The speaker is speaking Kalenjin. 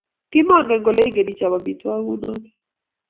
kimangen kole ingen ichop amitwogik kunoto